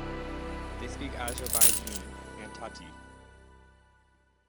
They speak Azerbaijani and Tati.